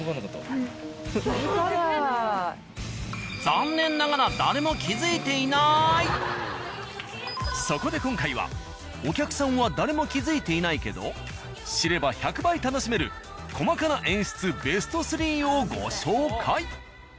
残念ながらそこで今回はお客さんは誰も気づいていないけど知れば１００倍楽しめる細かな演出ベスト３をご紹介。